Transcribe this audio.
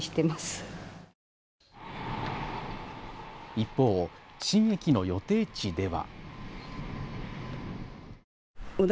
一方、新駅の予定地では。